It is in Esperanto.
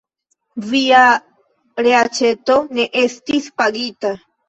Via reaĉeto ne estas pagita.